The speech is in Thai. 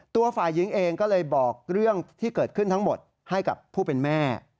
ตัวฝ่ายหญิงเองก็เลยบอกเรื่องที่เกิดขึ้นทั้งหมดให้กับผู้เป็นแม่